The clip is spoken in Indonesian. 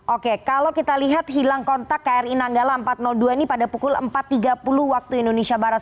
oke kalau kita lihat hilang kontak kri nanggala empat ratus dua ini pada pukul empat tiga puluh waktu indonesia barat